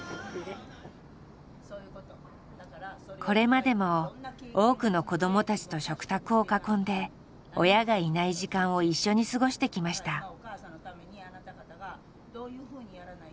これまでも多くの子どもたちと食卓を囲んで親がいない時間を一緒に過ごしてきました。